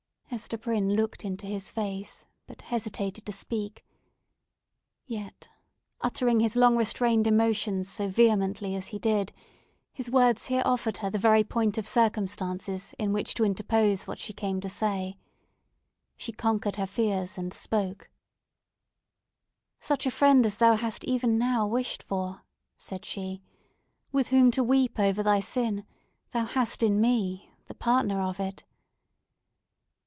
Hester Prynne looked into his face, but hesitated to speak. Yet, uttering his long restrained emotions so vehemently as he did, his words here offered her the very point of circumstances in which to interpose what she came to say. She conquered her fears, and spoke: "Such a friend as thou hast even now wished for," said she, "with whom to weep over thy sin, thou hast in me, the partner of it!"